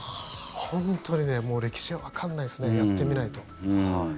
本当に歴史はわかんないですねやってみないと。